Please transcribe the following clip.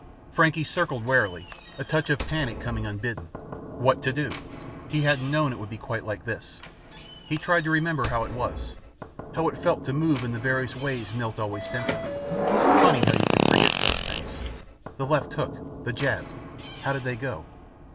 Frankie circled warily, a touch of panic coming unbidden. What to do? He hadn't known it would be quite like this. He tried to remember how it was how it felt to move in the various ways Milt always sent him. Funny how you could forget such things. The left hook that jab how did they go?